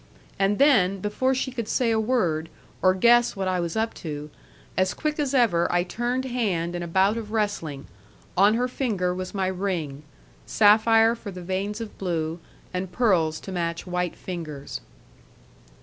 And then, before she could say a word, or guess what I was up to, as quick as ever I turned hand in a bout of wrestling, on her finger was my ring sapphire for the veins of blue, and pearls to match white fingers.